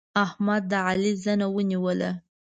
احمد د علي زنه ونيوله.